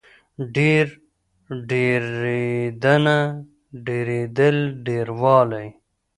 ډېر، ډېرېدنه، ډېرېدل، ډېروالی